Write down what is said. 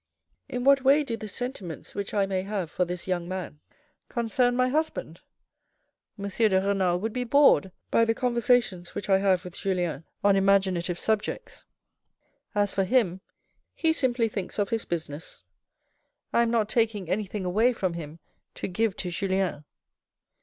In what way do the sentiments which I may have for this young man concern my husband? M. de Renal would be bored by the conversations which I have with Julien on imaginative subjects. As for him, he simply thinks of his business. I am not taking anything away from him to give to Julien."